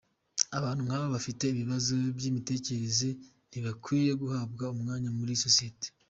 Abantu nk’aba bafite ikibazo cy’imitekerereze ntibakwiye guhabwa umwanya muri sosiyete.